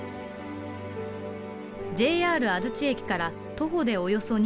ＪＲ安土駅から徒歩でおよそ２５分。